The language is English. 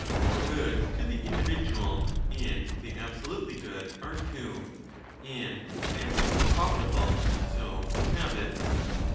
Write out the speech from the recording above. For good to the individual and the absolutely good are two, and as with the profitable so with habits.